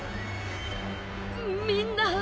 みんな。